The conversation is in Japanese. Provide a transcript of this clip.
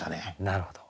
なるほど。